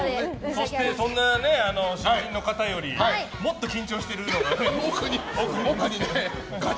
そんな新人の方よりもっと緊張しているのが奥に。